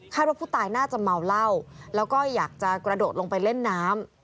ว่าผู้ตายน่าจะเมาเหล้าแล้วก็อยากจะกระโดดลงไปเล่นน้ำ